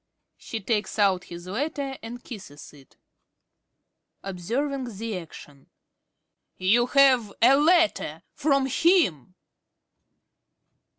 (She takes out his letter and kisses it.) ~Carey~ (observing the action). You have a letter from him!